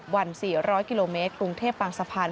วัน๔๐๐กิโลเมตรกรุงเทพบางสะพาน